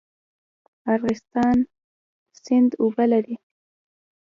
ارغستان سیند اوبه لري؟